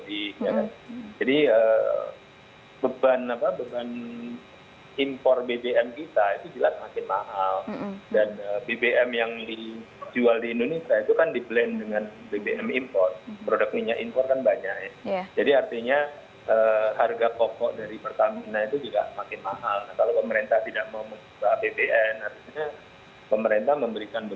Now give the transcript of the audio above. inflasi yang tinggi berdampak